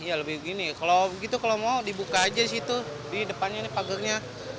iya lebih begini kalau gitu kalau mau dibuka aja di situ di depannya ini pagernya